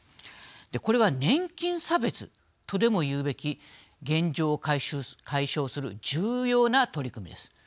これは年金差別とでもいうべき現状を解消する重要な取り組みです。